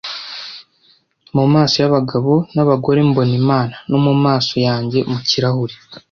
Mu maso y'abagabo n'abagore mbona Imana, no mu maso yanjye mu kirahure,